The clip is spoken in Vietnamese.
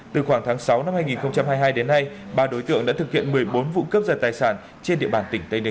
từ khoảng tháng sáu năm hai nghìn hai mươi hai đến nay ba đối tượng đã thực hiện một mươi bốn vụ cướp giật tài sản trên địa bàn tỉnh tây ninh